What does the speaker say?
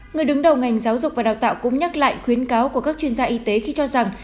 người đứng đầu ngành giáo dục và đào tạo cũng nhắc lại khuyến cáo của các chuyên gia y tế khi cho rằng